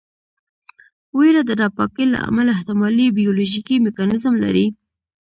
ویره د ناپاکۍ له امله احتمالي بیولوژیکي میکانیزم لري.